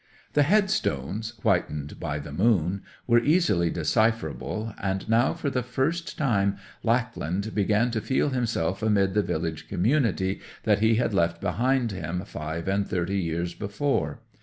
The head stones, whitened by the moon, were easily decipherable; and now for the first time Lackland began to feel himself amid the village community that he had left behind him five and thirty years before.